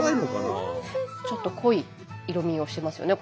ちょっと濃い色みをしてますよね